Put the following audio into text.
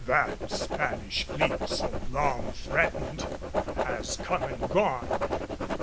That Spanish fleet, so long threatened, has come and gone.